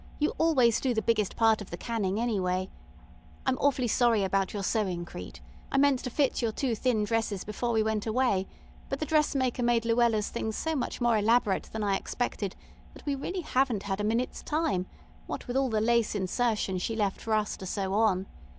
You always do the biggest part of the canning, anyway. I'm awfully sorry about your sewing, Crete. I meant to fit your two thin dresses before we went away, but the dressmaker made Luella's things so much more elaborate than I expected that we really haven't had a minute's time, what with all the lace insertion she left for us to sew on.